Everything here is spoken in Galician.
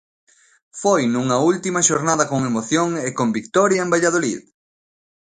Foi nunha última xornada con emoción e con vitoria en Valladolid.